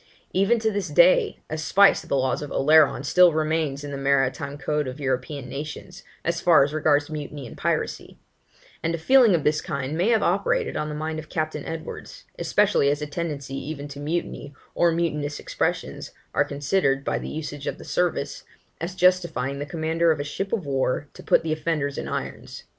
Even to this day, a spice of the laws of Oleron still remains in the maritime code of European nations, as far as regards mutiny and piracy; and a feeling of this kind may have operated on the mind of Captain Edwards, especially as a tendency even to mutiny, or mutinous expressions, are considered, by the usage of the service, as justifying the commander of a ship of war to put the offenders in irons.